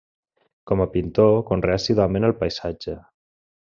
Com a pintor, conreà assíduament el paisatge.